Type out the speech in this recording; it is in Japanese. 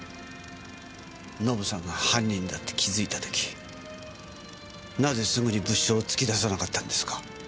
のぶさんが犯人だって気づいた時なぜすぐに物証を突き出さなかったんですか？